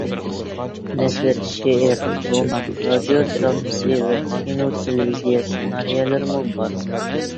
نەسر، شېئىر، رومان، رادىيو دىرامىسى ۋە كىنو تېلېۋىزىيە سېنارىيەلىرىمۇ بار.